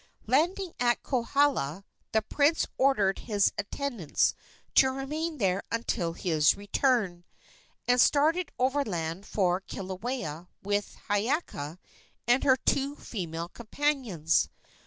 Landing at Kohala, the prince ordered his attendants to remain there until his return, and started overland for Kilauea with Hiiaka and her two female companions.